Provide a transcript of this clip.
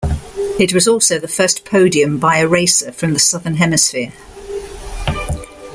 It was also the first podium by a racer from the southern hemisphere.